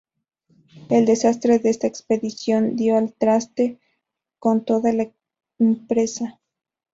El desastre de esta expedición dio al traste con toda la empresa.